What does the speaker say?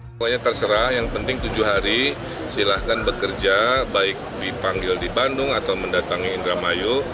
semuanya terserah yang penting tujuh hari silahkan bekerja baik dipanggil di bandung atau mendatangi indramayu